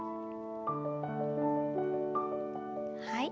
はい。